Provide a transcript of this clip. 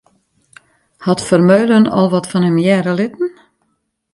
Hat Vermeulen al wat fan him hearre litten?